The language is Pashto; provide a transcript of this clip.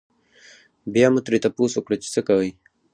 بيا مو ترې تپوس وکړو چې څۀ کوئ؟